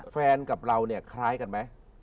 กับเราเนี่ยคล้ายกันไหม